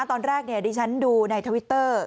ตอนแรกดิฉันดูในทวิตเตอร์